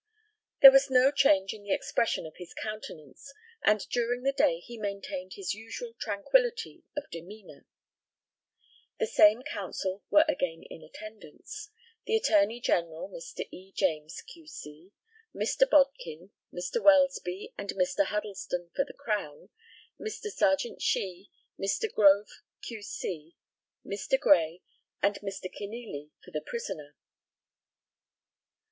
There was no change in the expression of his countenance, and during the day he maintained his usual tranquillity of demeanour. The same counsel were again in attendance: The Attorney General, Mr. E. James, Q.C., Mr. Bodkin, Mr. Welsby, and Mr. Huddleston for the Crown; Mr. Serjeant Shee, Mr. Grove, Q.C., Mr. Gray, and Mr. Kenealy for the prisoner.